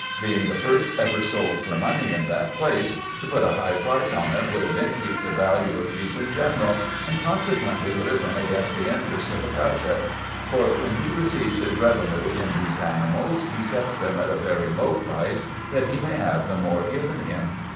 Being the first ever sold for money in that place, to put a high price on it would have increased the value of sheep in general, and consequently would have been against the interest of the Cacheff; for when he receives his revenue in these animals, he sets them at a very low price, that he may have the more given him.